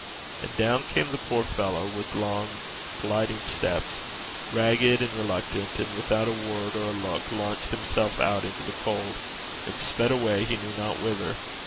And down came the poor fellow, with long gliding steps, ragged and reluctant, and, without a word or a look, launched himself out into the cold, and sped away he knew not whither.